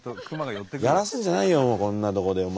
やらすんじゃないよこんなとこでお前。